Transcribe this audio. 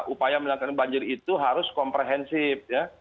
upaya menangkan banjir itu harus komprehensif ya